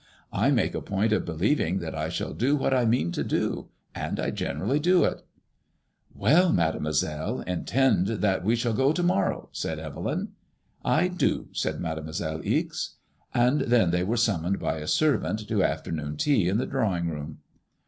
I make a point of believing that I shall do what I mean to do, and I generally do it." "Well, Mademoiselle, intend i f04 MADEMOISELLE IXE. that we shall go to morrow/* said Evelyn. I do/' said Mademoiselle Ixe. And then they were summoned by a servant to afternoon tea in the drawing room.